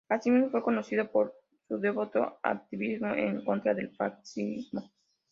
Asimismo, fue conocido por su devoto activismo en contra del fascismo.